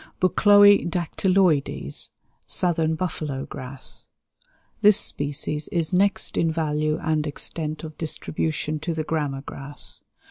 Buchloë dactyloides (Southern buffalo grass). This species is next in value and extent of distribution to the grama grass.